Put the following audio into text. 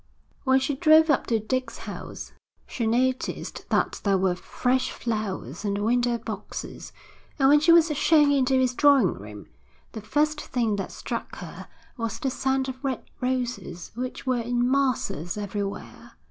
When she drove up to Dick's house, she noticed that there were fresh flowers in the window boxes, and when she was shown into his drawing room, the first thing that struck her was the scent of red roses which were in masses everywhere.